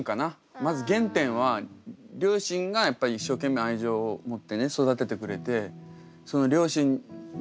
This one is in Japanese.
まず原点は両親がやっぱ一生懸命愛情を持ってね育ててくれて。